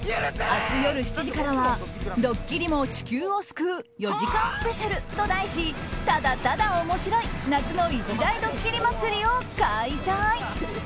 明日夜７時からは「ドッキリも地球を救う４時間スペシャル」と題しただただ面白い夏の一大ドッキリ祭りを開催。